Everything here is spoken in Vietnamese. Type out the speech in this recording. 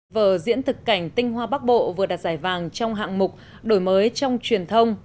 vở diễn thực cảnh tinh hoa bắc bộ vừa đặt giải vàng trong hạng mục đổi mới trong truyền thông